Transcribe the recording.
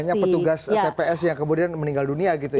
banyak petugas tps yang kemudian meninggal dunia gitu ya